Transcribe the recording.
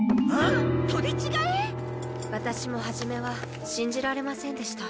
ワタシも初めは信じられませんでした。